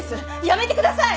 やめてください。